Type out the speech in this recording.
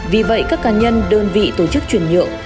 vì vậy các cá nhân đơn vị tổ chức chuyển nhượng